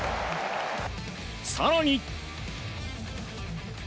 更に。